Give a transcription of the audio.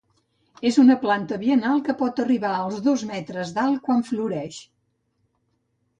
És una planta biennal que pot arribar als dos metres d'alt quan floreix.